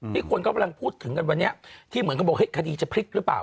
ที่คนก็พูดถึงกันวันนี้ที่เหมือนกันบอกคดีจะพลิกหรือเปล่า